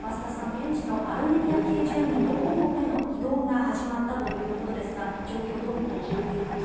現地のアルメニア系住民の本国への移動が始まったということですが状況どう見ていらっしゃいますか？